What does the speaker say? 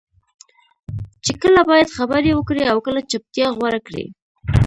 چې کله باید خبرې وکړې او کله چپتیا غوره کړې.